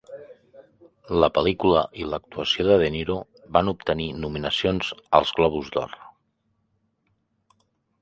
La pel·lícula i l'actuació de De Niro van obtenir nominacions als Globus d'Or.